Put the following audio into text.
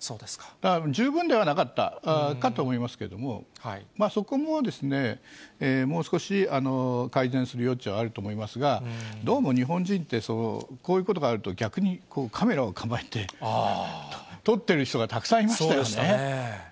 だから十分ではなかったかと思いますけども、そこももう少し、改善する余地はあると思いますが、どうも日本人って、こういうことがあると、逆にこう、カメラを構えて、撮ってる人がたくさんいまそうでしたね。